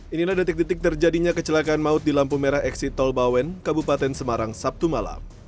inilah detik detik terjadinya kecelakaan maut di lampu merah eksit tol bawen kabupaten semarang sabtu malam